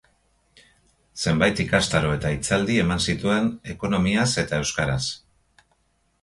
Zenbait ikastaro eta hitzaldi eman zituen ekonomiaz eta euskaraz.